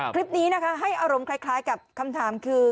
คลิปนี้นะคะให้อารมณ์คล้ายกับคำถามคือ